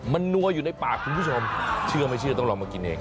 มันนัวอยู่ในปากคุณผู้ชมเชื่อไม่เชื่อต้องลองมากินเอง